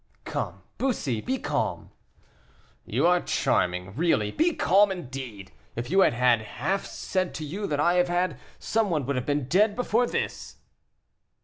"Come, Bussy, be calm." "You are charming, really; be calm, indeed! if you had had half said to you that I have had, some one would have been dead before this."